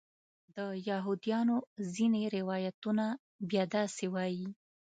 د یهودیانو ځینې روایتونه بیا داسې وایي.